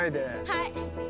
はい。